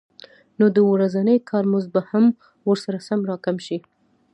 نو د ورځني کار مزد به هم ورسره سم راکم شي